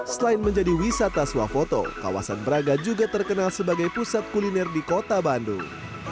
selain menjadi wisata swafoto kawasan braga juga terkenal sebagai pusat kuliner di kota bandung